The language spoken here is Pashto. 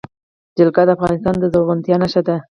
جلګه د افغانستان د زرغونتیا نښه ده.